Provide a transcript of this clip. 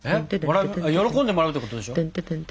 喜んでもらうってことでしょ？